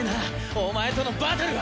お前とのバトルは。